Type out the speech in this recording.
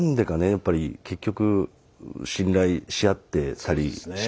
やっぱり結局信頼し合ってたりしますね。